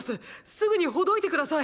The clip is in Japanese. すぐにほどいて下さい！！